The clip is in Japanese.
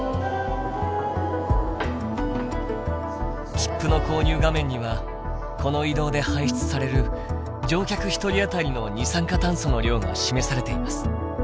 切符の購入画面にはこの移動で排出される乗客１人当たりの二酸化炭素の量が示されています。